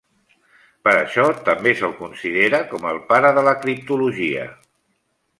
Per això també se'l considera com el pare de criptologia.